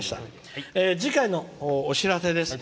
次回のお知らせです。